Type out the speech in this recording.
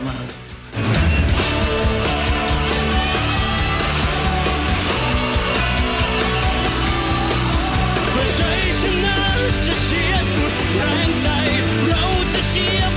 ผมจะทำให้ดีที่สุดครับขอบคุณมาก